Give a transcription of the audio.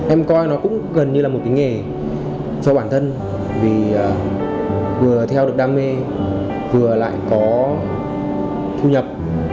em coi nó cũng gần như là một cái nghề cho bản thân vì vừa theo được đam mê vừa lại có thu nhập